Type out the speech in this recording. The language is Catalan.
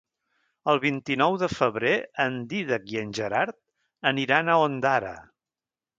El vint-i-nou de febrer en Dídac i en Gerard aniran a Ondara.